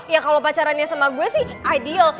ya kalau pacarannya sama gue sih ideal